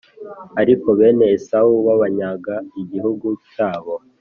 ariko bene Esawu babanyaga igihugu cyabo,